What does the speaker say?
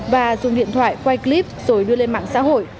và dùng điện thoại quay clip rồi đưa lên mạng xã hội